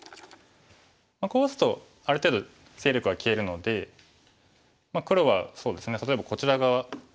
こう打つとある程度勢力が消えるので黒はそうですね例えばこちら側。